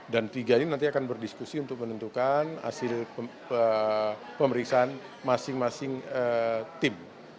dan tiga ini nanti akan berdiskusi untuk menentukan hasil pemeriksaan masing masing tim